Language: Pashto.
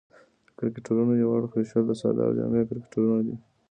د کرکټرونو یو اړخ وېشل د ساده او جامع کرکټرونه دي.